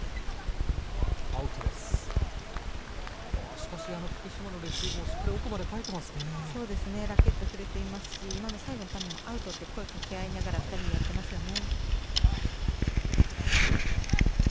しかし、福島のレシーブもしっかり奥までラケットが振れていますし今の最後の球もアウトって声かけ合いながら２人でやっていますよね。